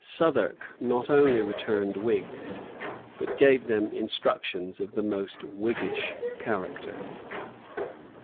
Southwark not only returned Whigs, but gave them instructions of the most Whiggish character.